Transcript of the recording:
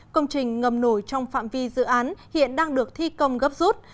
công trình ngầm nổi trong phạm vi dự án hiện đang được thi công gấp rút